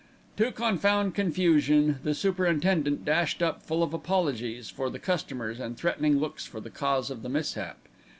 To confound confusion the superintendent dashed up full of apologies for the customers and threatening looks for the cause of the mishap.